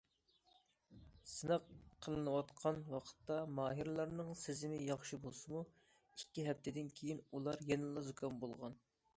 سىناق قىلىنىۋاتقان ۋاقىتتا ماھىرلارنىڭ سېزىمى ياخشى بولسىمۇ، ئىككى ھەپتىدىن كېيىن ئۇلار يەنىلا زۇكام بولغان.